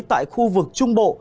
tại khu vực trung bộ